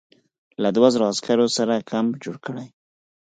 له دوو زرو عسکرو سره کمپ جوړ کړی.